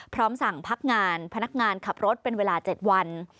พร้อมสั่งพักงานพนักงานขับรถเป็นเวลา๗วัน